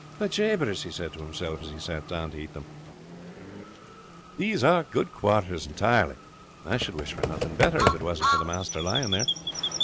"By jabers," he said to himself as he sat down to eat them, "these are good quarters entirely. I should wish for nothing better if it wasn't for the master lying there.